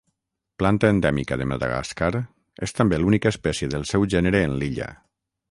Planta endèmica de Madagascar, és també l'única espècie del seu gènere en l'illa.